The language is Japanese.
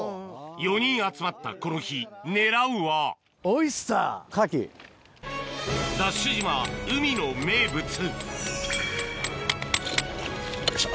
４人集まったこの日狙うはＤＡＳＨ島海の名物よいしょ